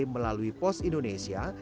melalui post indonesia